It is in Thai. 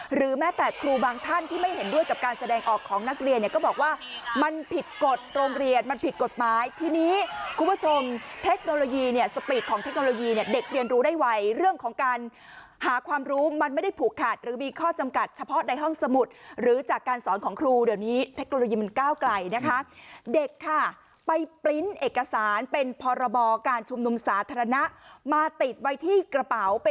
หรือแม้แต่ครูบางท่านที่ไม่เห็นด้วยกับการแสดงออกของนักเรียนเนี่ยก็บอกว่ามันผิดกฎโรงเรียนมันผิดกฎหมายที่นี้คุณผู้ชมเทคโนโลยีเนี่ยสปีดของเทคโนโลยีเนี่ยเด็กเรียนรู้ได้ไว้เรื่องของการหาความรู้มันไม่ได้ผูกขัดหรือมีข้อจำกัดเฉพาะในห้องสมุดหรือจากการสอนของครูเดี๋ยวนี้เทคโ